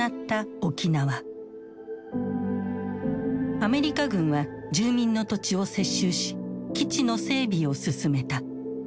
アメリカ軍は住民の土地を接収し基地の整備を進めた。